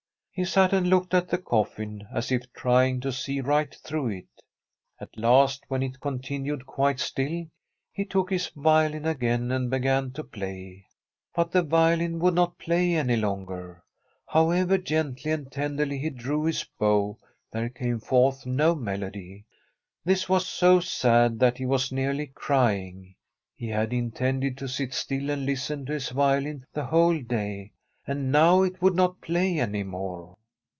He sat and looked at the coffin, as if tiding to see right through it. At last, when it con tinued quite still, he took his violin again and began to play. But the violin would not play any longer. However gently and tenderly he drew his bow, there came forth no melody. This was so sad that he was nearly crying. He had intended to sit still and listen to his violin the whole day, and now it would not play any more.